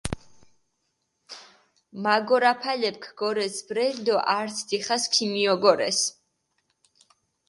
მაგორაფალეფქ გორეს ბრელი დო ართ დიხას ქიმიოგორეს.